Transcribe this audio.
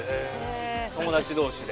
友達同士で。